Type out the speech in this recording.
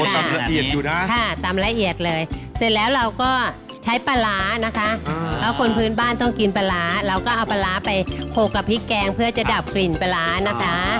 ตำละเอียดอยู่นะค่ะตำละเอียดเลยเสร็จแล้วเราก็ใช้ปลาร้านะคะเพราะคนพื้นบ้านต้องกินปลาร้าเราก็เอาปลาร้าไปผูกกับพริกแกงเพื่อจะดับกลิ่นปลาร้านะคะ